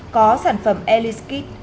có sản phẩm alice kit